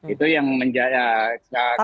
itu yang menjaga kami